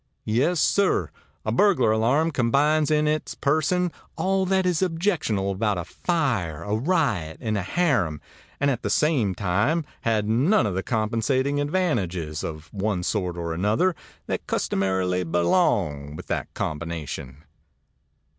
Yes, sir, a burglar alarm combines in its person all that is objectionable about a fire, a riot, and a harem, and at the same time had none of the compensating advantages, of one sort or another, that customarily belong with that combination.